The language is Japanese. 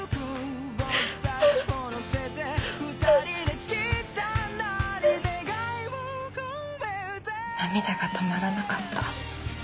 泣き声涙が止まらなかった。